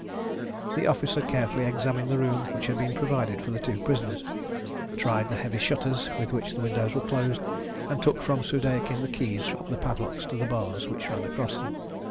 The officer carefully examined the room which had been provided for the two prisoners, tried the heavy shutters with which the windows were closed, and took from Soudeikin the keys of the padlocks to the bars which ran across them.